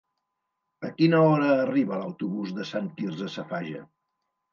A quina hora arriba l'autobús de Sant Quirze Safaja?